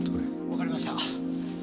わかりました。